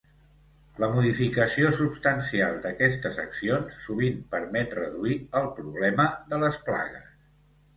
La modificació substancial d'aquestes accions sovint permet reduir el problema de les plagues.